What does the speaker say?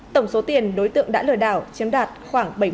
tổng số tiền đối tượng đã lừa đảo chiếm đoạt khoảng bảy mươi tỷ đồng